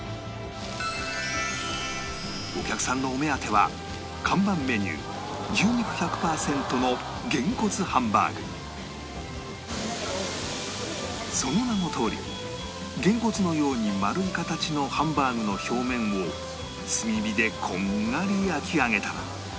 お客さんのお目当ては看板メニュー牛肉１００パーセントのその名のとおりげんこつのように丸い形のハンバーグの表面を炭火でこんがり焼き上げたら